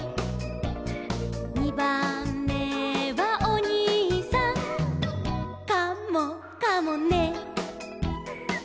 「にばんめはおにいさん」「カモかもね」